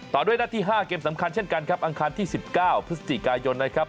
ด้วยนัดที่๕เกมสำคัญเช่นกันครับอังคารที่๑๙พฤศจิกายนนะครับ